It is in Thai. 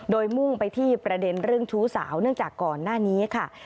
โดยมุ่งไปที่ประเด็นเรื่องชู้สาวเนื่องจากก่อนหน้านี้ค่ะ